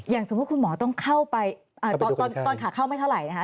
สมมุติคุณหมอต้องเข้าไปตอนขาเข้าไม่เท่าไหร่นะคะ